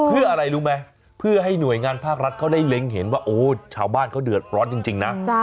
เพื่ออะไรรู้ไหมเพื่อให้หน่วยงานภาครัฐเขาได้เล้งเห็นว่าโอ้ชาวบ้านเขาเดือดร้อนจริงนะ